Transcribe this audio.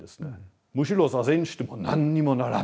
むしろ坐禅しても何にもならん。